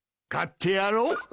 買ってやろう。